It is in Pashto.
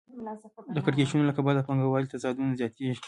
د کړکېچونو له کبله د پانګوالۍ تضادونه زیاتېږي